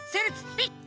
ピッ！